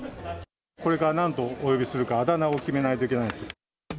これからなんとお呼びするか、あだ名を決めないといけないんですよ。